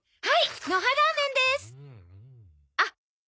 はい！